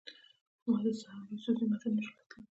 ما د سحر یوسفزي متن نه شو لوستلی.